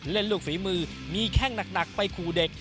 ลูกฝีมือมีแข้งหนักไปขู่เด็ก